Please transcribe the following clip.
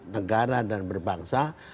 negara dan berbangsa